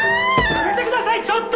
やめてくださいちょっと！